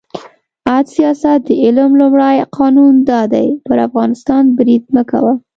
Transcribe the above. «عد سیاست د علم لومړی قانون دا دی: پر افغانستان برید مه کوه.